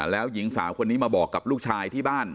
แล้วหญิงสาวคนนี้มาบอกกับลูกชายที่บ้าน